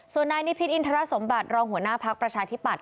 ส่วนนายนิพิษอินทรสมบัติรองหัวหน้าภักดิ์ประชาธิปัตย